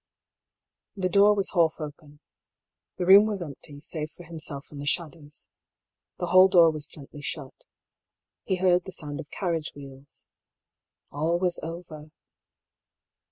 The door was half open. The room was empty, save for himself and the shadows. The hall door was gently shut. He heard the sound of carriage wheels. All was over!